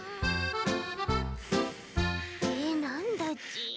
えっなんだち？